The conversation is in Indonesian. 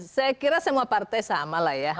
saya kira semua partai sama lah ya